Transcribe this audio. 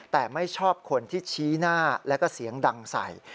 แต่ไม่ชอบคนที่ชี้หน้าแล้วก็เสียงดังใส่